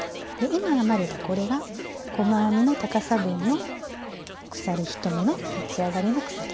今編まれたこれが細編みの高さ分の鎖１目の立ち上がりの鎖。